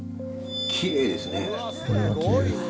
きれいです。